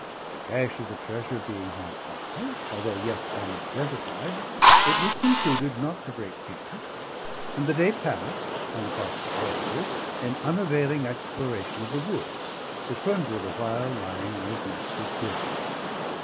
The cache of the treasure being hard by, although yet unidentified, it was concluded not to break camp; and the day passed, on the part of the voyagers, in unavailing exploration of the woods, Secundra the while lying on his master's grave.